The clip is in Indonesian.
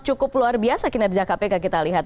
cukup luar biasa kinerja kpk kita lihat